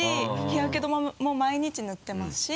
日焼け止めも毎日塗ってますし。